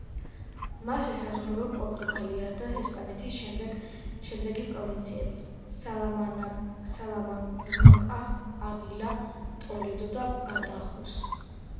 მას ესაზღვრება პორტუგალია და ესპანეთის შემდეგი პროვინციები: სალამანკა, ავილა, ტოლედო და ბადახოსი.